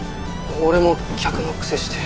俺も客のくせして。